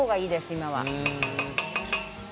今は。